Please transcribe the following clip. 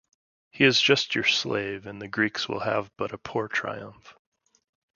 He is just your slave and the Greeks will have but a poor triumph.